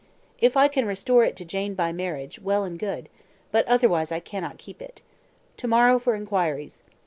If I can restore it to Jane by marriage, well and good; but otherwise I cannot keep it. To morrow for inquiries.